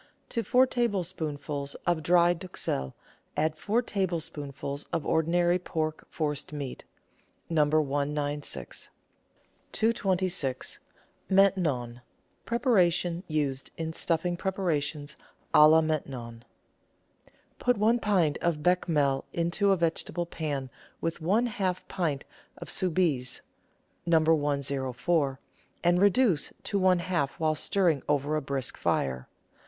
To four tablespoonfuls of dry duxelle add four tablespoon fuls of ordinary pork forcemeat (No. 196). 226 — MAINTENON (preparation used in stuffing preparations k la Maintenon) Put one pint of Bechamel into a vegetable pan with one half pint of Soubise (No. 104), and reduce to half while stirring over a brisk fire.